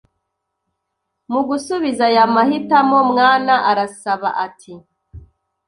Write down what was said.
Mu gusubiza aya mahitamo Mwana arasaba ati: